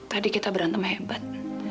tadi kita berantem hebat